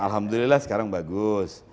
alhamdulillah sekarang bagus